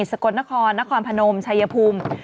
สกลนครนครพนมชายภูมิ